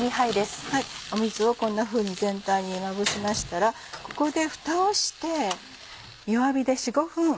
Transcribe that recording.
水をこんなふうに全体にまぶしましたらここでふたをして。